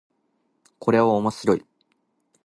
これは面白い